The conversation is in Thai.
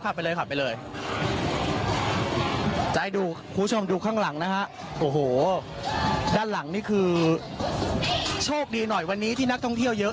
จะให้ดูคุณผู้ชมดูข้างหลังนะฮะโอ้โหด้านหลังนี่คือโชคดีหน่อยวันนี้ที่นักท่องเที่ยวเยอะ